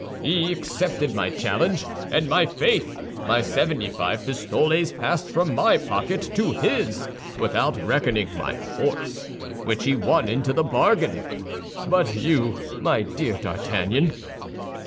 He accepted my challenge, and, my faith, my seventy five pistoles passed from my pocket to his, without reckoning my horse, which he won into the bargain. But you, my dear D'Artagnan?"